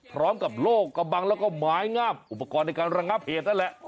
พร้อมกับโลกกระบังแล้วก็ไม้งามอุปกรณ์ในการระงับเหตุนั่นแหละ